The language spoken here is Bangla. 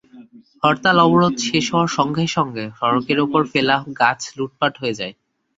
হরতাল-অবরোধ শেষ হওয়ার সঙ্গে সঙ্গে সড়কের ওপরে ফেলা গাছ লুটপাট হয়ে যায়।